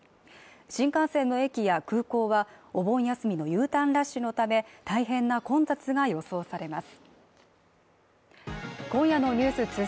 新幹線の駅や空港はお盆休みのＵターンラッシュのため大変な混雑が予想されます